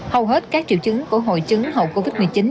hầu hết các triệu chứng của hội chứng hậu covid một mươi chín